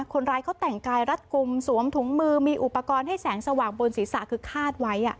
คนร้ายเขาแต่งกายรัดกลุ่มสวมถุงมือมีอุปกรณ์ให้แสงสว่างบนศีรษะคือคาดไว้